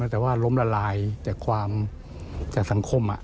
แต่ว่าล้มละลายจากสังคม